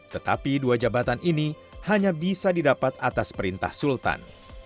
tetapi dua jabatan ini hanya bisa didapat atas perintah sultan